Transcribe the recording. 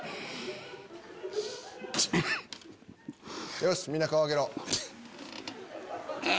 よしみんな顔上げろ。